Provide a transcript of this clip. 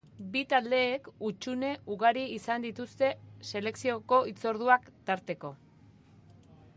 Bi taldeek hutsune ugari izan dituzte selekzioko hitzorduak tarteko.